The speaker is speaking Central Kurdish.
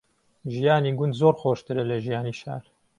ژیانی گوند زۆر خۆشترە لە ژیانی شار.